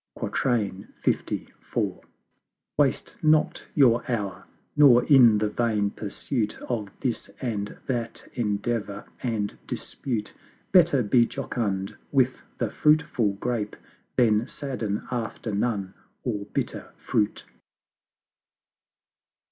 LIV. Waste not your Hour, nor in the vain pursuit Of This and That endeavor and dispute; Better be jocund with the fruitful Grape Than sadden after none, or bitter, Fruit.